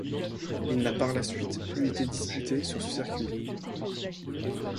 Il n'a par la suite plus été disputé sur ce circuit.